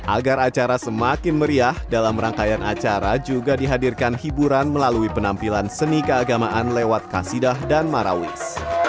agar acara semakin meriah dalam rangkaian acara juga dihadirkan hiburan melalui penampilan seni keagamaan lewat kasidah dan marawis